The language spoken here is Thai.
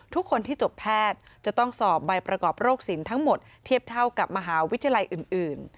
ทุกคนที่จบแพทย์จะต้องสอบใบประกอบโรคสินทั้งหมดเทียบเท่ากับมหาวิทยาลัยอื่น